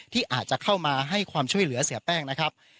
ที่อาจจะเข้ามาให้ความช่วยเหลือเสียแป้งนะครับ